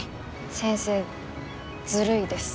先生ずるいです。